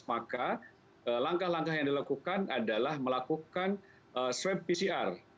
maka langkah langkah yang dilakukan adalah melakukan swab pcr